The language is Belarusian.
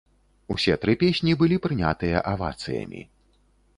Усе тры песні былі прынятыя авацыямі.